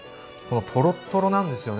トロットロなんですよね